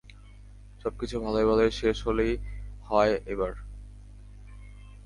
সবকিছু ভালোয় ভালোয় শেষ হলেই হয় এবার!